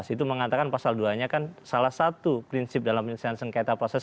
itu mengatakan pasal dua nya kan salah satu prinsip dalam penyelesaian sengketa proses